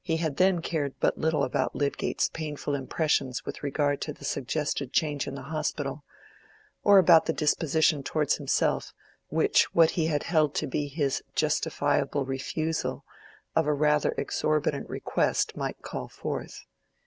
He had then cared but little about Lydgate's painful impressions with regard to the suggested change in the Hospital, or about the disposition towards himself which what he held to be his justifiable refusal of a rather exorbitant request might call forth.